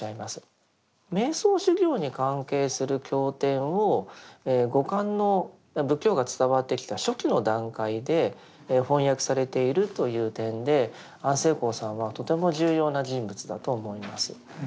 瞑想修行に関係する経典を後漢の仏教が伝わってきた初期の段階で翻訳されているという点で安世高さんはとても重要な人物だと思います。